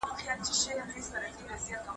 تا د سولي او امنيت غوښتنه وکړه.